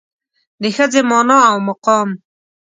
د ښځې مانا او مقام